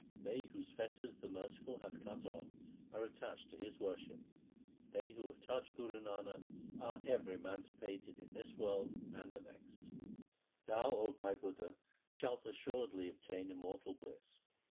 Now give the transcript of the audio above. They whose fetters the Merciful hath cut off, are attached to His worship. They who have touched Guru Nanak are ever emanci pated in this world and the next. 1 ' Thou, O Bhai Budha, shalt assuredly obtain immortal bliss.